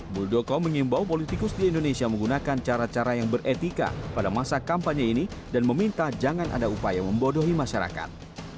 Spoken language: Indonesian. muldoko mengimbau politikus di indonesia menggunakan cara cara yang beretika pada masa kampanye ini dan meminta jangan ada upaya membodohi masyarakat